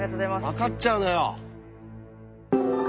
わかっちゃうのよ。